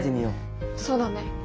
そうだね。